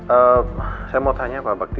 eee saya mau tanya pak bakti